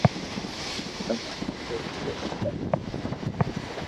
تمو مون سھي ڪوئي ڪرو ھون